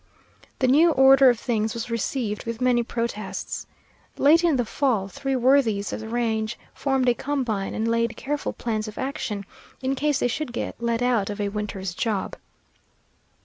The new order of things was received with many protests. Late in the fall three worthies of the range formed a combine, and laid careful plans of action, in case they should get let out of a winter's job.